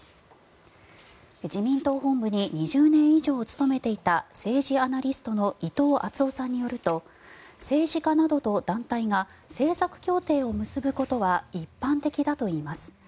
自民党本部に２０年以上勤めていた政治アナリストの伊藤惇夫さんによると政治家などと団体が政策協定を結ぶことは一般的だといいます。